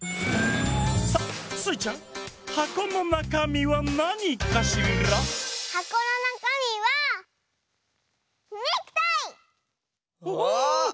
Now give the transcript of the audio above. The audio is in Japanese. さあスイちゃんはこのなかみはなにかしら？はこのなかみはネクタイ！あたりニャ！